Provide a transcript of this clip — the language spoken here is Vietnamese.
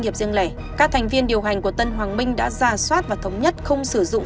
nghiệp riêng lẻ các thành viên điều hành của tân hoàng minh đã ra soát và thống nhất không sử dụng